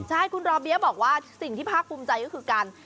ใช่คุณรอเบี้ยบอกว่าสิ่งที่ภาคภูมิใจก็คือการ